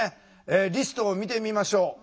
リストを見てみましょう。